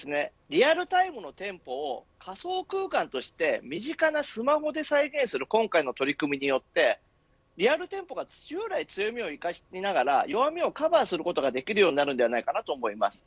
リアルタイムの店舗を仮想空間として身近なスマホで再現する今回の取り組みによってリアル店舗が従来の強みを生かしながら弱みをカバーすることができるようになるんじゃないかなと思います。